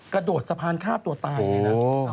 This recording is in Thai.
กระโดดสะพานฆ่าตัวตายเลยนะ